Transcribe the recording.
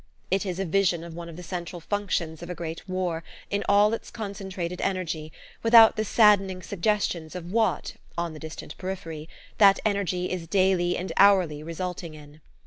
It is a vision of one of the central functions of a great war, in all its concentrated energy, without the saddening suggestions of what, on the distant periphery, that energy is daily and hourly resulting in.